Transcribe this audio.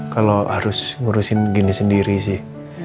kalau harus ngurusin gini sendiri sih